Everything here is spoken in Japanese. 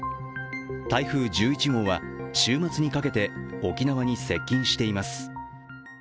台風１１号は週末にかけて沖縄に接近しています。